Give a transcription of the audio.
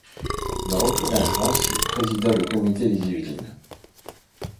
De retour en France, il présida le Comité des Yvelines.